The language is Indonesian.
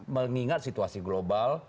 mengingat situasi global